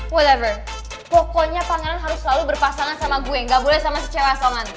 whatever pokoknya pangeran harus selalu berpasangan sama gue gak boleh sama si cewek aso kan